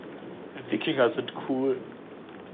Wikinger sind cool.